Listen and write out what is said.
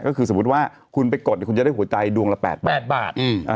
ก็คือสมมุติว่าคุณไปกดคุณจะได้หัวใจดวงละ๘บาท